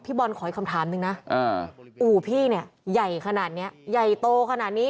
บอลขออีกคำถามหนึ่งนะอู่พี่เนี่ยใหญ่ขนาดนี้ใหญ่โตขนาดนี้